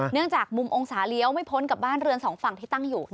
จากมุมองศาเลี้ยวไม่พ้นกับบ้านเรือนสองฝั่งที่ตั้งอยู่